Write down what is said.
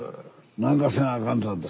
何かせなあかんとなると。